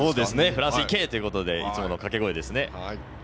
フランス、行け！ということでいつもの掛け声ですね。